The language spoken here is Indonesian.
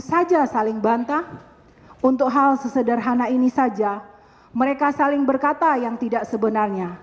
saja saling bantah untuk hal sesederhana ini saja mereka saling berkata yang tidak sebenarnya